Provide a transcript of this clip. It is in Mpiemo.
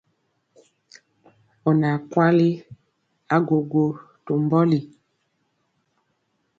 Ɔ naa kwali agwogwo to mbɔli.